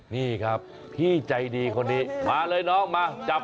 น่าจะเป็นชาติเดียวที่เป็นเอกลักษณ์จริง